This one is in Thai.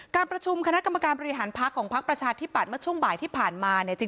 การประชุมคณะกรรมการบริหารพักของพักประชาธิปัตย์เมื่อช่วงบ่ายที่ผ่านมาเนี่ย